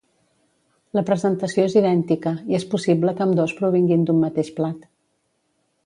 La presentació és idèntica i és possible que ambdós provinguin d'un mateix plat.